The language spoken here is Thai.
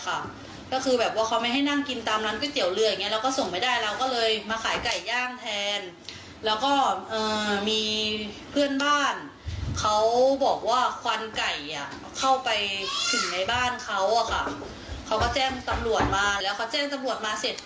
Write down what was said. อ้าวไปฟังเสียงฉันเล่าหน่อย